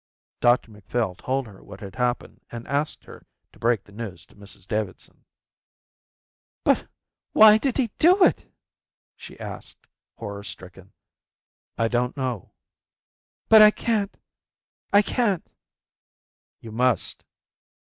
Dr Macphail told her what had happened and asked her to break the news to Mrs Davidson. "But why did he do it?" she asked, horror stricken. "I don't know." "But I can't. I can't." "You must."